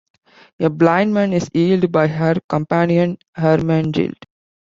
A blind man is healed by her companion Hermengyld.